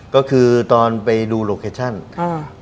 ก็คือตอนไปดูโลเคชั่นค่ะ